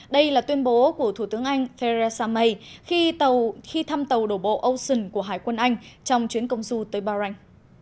đây là tuyên bố của thủ tướng anh theresa may khi thăm tàu đổ bộ ocean của hải quân anh trong chuyến công du tới bahrain